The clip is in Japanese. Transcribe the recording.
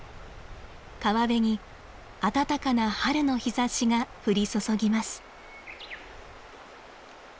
川辺に暖かな春の日ざしが降り注ぎます。